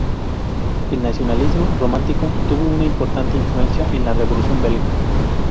El nacionalismo romántico tuvo una importante influencia en en la revolución belga.